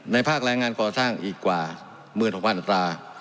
ภาคแรงงานก่อสร้างอีกกว่า๑๖๐๐อัตรา